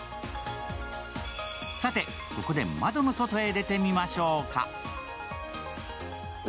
さて、ここで窓の外へ出てみましょうか。